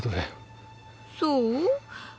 そう？